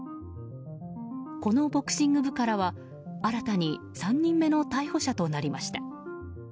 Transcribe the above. このボクシング部からは新たに３人目の逮捕者となりました。